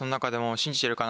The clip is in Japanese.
信じてるから！